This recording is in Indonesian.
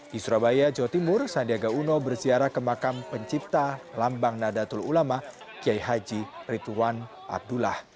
di surabaya jawa timur sandiaga uno berziarah ke makam pencipta lambang nadatul ulama kiai haji rituwan abdullah